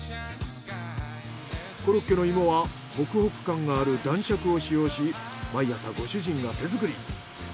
コロッケの芋はホクホク感がある男爵を使用し毎朝ご主人が手作り。